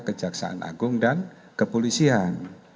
kejaksaan agung dan kepolisian